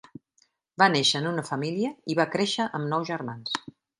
Va néixer en una família i va créixer amb nou germans.